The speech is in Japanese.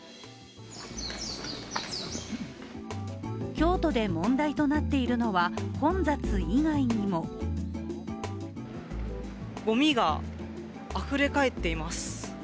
京都で問題となっているのは混雑以外にもごみがあふれかえっています。